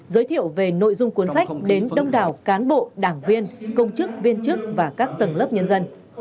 giới thiệu về nội dung cuốn sách đến đông đảo cán bộ đảng viên công chức viên chức và các tầng lớp nhân dân